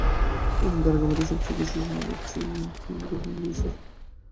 নতুন তারকার মধ্যে সবচেয়ে বেশি শোনা যাচ্ছে মাকলেমোর এবং রায়ান লুইসের নাম।